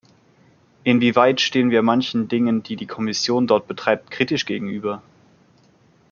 Inwieweit stehen wir manchen Dingen, die die Kommission dort betreibt, kritisch gegenüber?